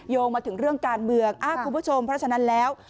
งมาถึงเรื่องการเมืองคุณผู้ชมเพราะฉะนั้นแล้ว